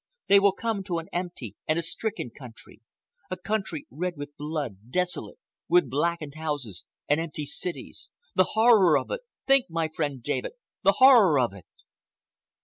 They will come to an empty and a stricken country—a country red with blood, desolate, with blackened houses and empty cities. The horror of it! Think, my friend David, the horror of it!"